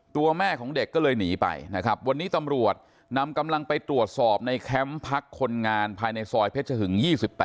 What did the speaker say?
ตัวแม่ของเด็กก็เลยหนีไปนะครับวันนี้ตำรวจนำกำลังไปตรวจสอบในแคมป์พักคนงานภายในซอยเพชรหึง๒๘